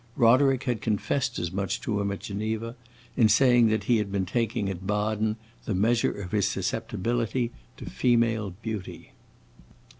Roderick had confessed as much to him at Geneva, in saying that he had been taking at Baden the measure of his susceptibility to female beauty.